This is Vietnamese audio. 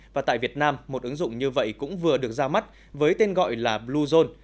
và tại việt nam một ứng dụng như vậy cũng vừa được ra mắt với tên gọi là bluezone